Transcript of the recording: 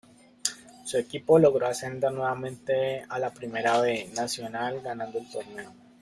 Su equipo logró ascender nuevamente a la Primera B Nacional ganando el torneo.